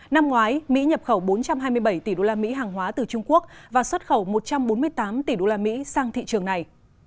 năm ngoái mỹ nhập khẩu bốn trăm hai mươi bảy tỷ usd hàng hóa từ trung quốc và xuất khẩu một trăm bốn mươi tám tỷ usd sang thị trường này